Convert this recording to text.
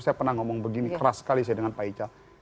saya pernah ngomong begini keras sekali saya dengan pak ica